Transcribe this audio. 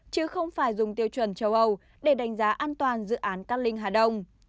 chứ không phải dùng tiêu chuẩn châu âu để đánh giá an toàn dự án các linh hạ đồng